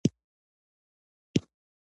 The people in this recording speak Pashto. د ستاسو د خودمختاري ملاتړ وکړم.